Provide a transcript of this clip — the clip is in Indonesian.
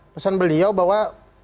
pesan beliau bahwa